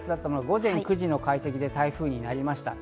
午前９時の解析で熱帯低気圧が台風になりました。